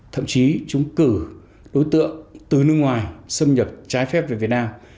thậm chí chúng cử đối tượng từ nước ngoài xâm nhập trái phép về việt nam